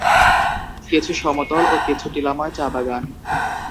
কিছু সমতল ও কিছু টিলাময় চা বাগান।